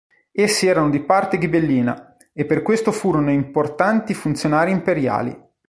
Essi erano di parte ghibellina, e per questo furono importanti funzionari imperiali.